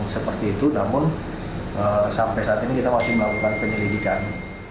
seperti itu namun sampai saat ini kita masih melakukan penyelidikan